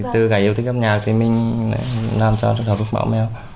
từ cái yêu thích âm nhạc thì mình làm cho sáo trúc mão mèo